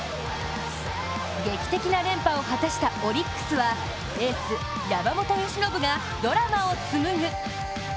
劇的な連覇を果たしたオリックスはエース・山本由伸がドラマをつむぐ。